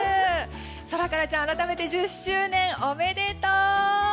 ソラカラちゃん、改めて１０周年おめでとう！